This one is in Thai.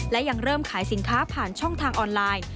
และยังเริ่มขายสินค้าผ่านช่องทางออนไลน์